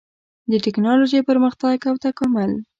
د ټېکنالوجۍ پرمختګ او تکامل